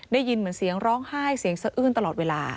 ได้ยินเหมือนเสียงร้องไห้เสียงสะอื้นตลอดเวลา